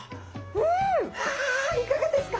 うわいかがですか？